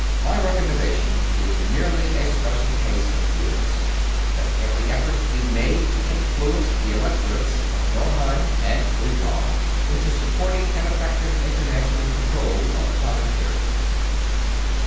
My recommendation is merely a special case of yours; that every effort be made to influence the electorates of Norheim and of Uighar into supporting an effective international control of atomic energy."